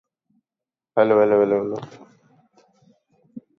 Backwards body drop techniques.